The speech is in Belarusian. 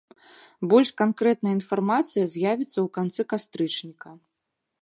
Больш канкрэтная інфармацыя з'явіцца ў канцы кастрычніка.